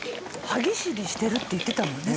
歯ぎしりしてるって言ってたもんね